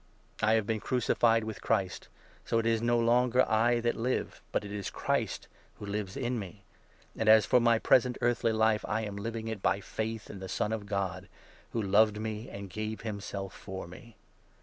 I have been crucified with Christ. So it is no longer I that 20 live, but it is Christ who lives in me ; and, as for my present earthly life, I am living it by faith in the Son of God, who loved me and gave himself for me.